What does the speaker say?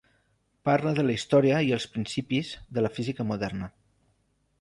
Parla de la història i els principis de la física moderna.